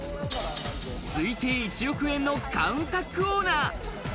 推定１億円のカウンタックオーナー！